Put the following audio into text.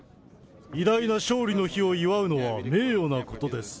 偉大な勝利の日を祝うのは名誉なことです。